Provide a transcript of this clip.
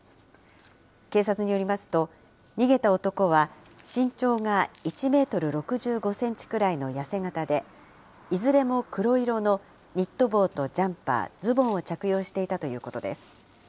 警察によりますと、逃げた男は身長が１メートル６５センチくらいの痩せ形で、いずれも黒色のニット帽とジャンパー、ズボンを着用していたということです。